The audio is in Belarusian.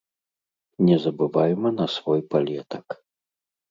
Не забывайма на свой палетак.